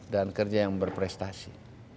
dan kerja yang berprestasi